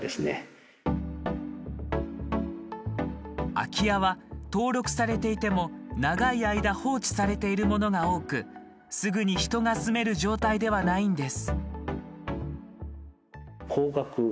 空き家は、登録されていても長い間放置されているものが多くすぐに人が住める状態ではないんです。